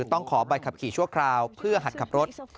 ต้องขอใบขับขี่ชั่วคราวเพื่อหัดขับรถ